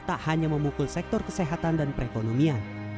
tak hanya memukul sektor kesehatan dan perekonomian